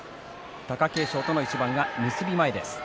貴景勝との一番が結び前です。